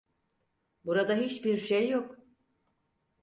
Burada hiçbir şey yok.